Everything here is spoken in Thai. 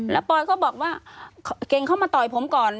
แล้วปอยก็บอกว่าเก่งเข้ามาต่อยผมก่อน